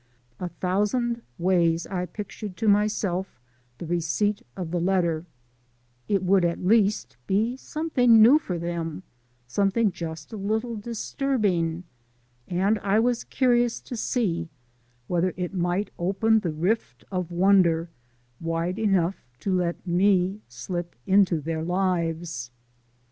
A thousand ways I pictured to myself the receipt of the letter: it would at least be something new for them, something just a little disturbing, and I was curious to see whether it might open the rift of wonder wide enough to let me slip into their lives.